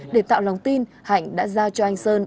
để tạo lòng tin hạnh đã giao cho anh sơn